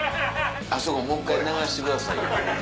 あそこもう１回流してくださいよ。